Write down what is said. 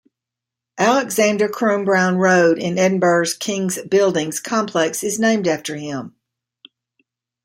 Alexander Crum Brown Road in Edinburgh's King's Buildings complex is named after him.